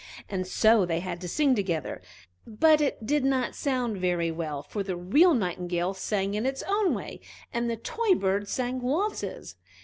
And so they had to sing together; but it did not sound very well, for the real Nightingale sang in its own way, and the toy bird sang waltzes.